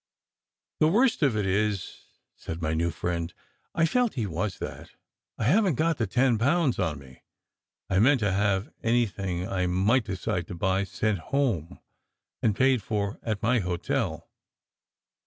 "The worst of it is," said my new friend I felt he was that "I haven t got the ten pounds on me. I meant to have anything I might decide to buy sent home and paid for at my hotel."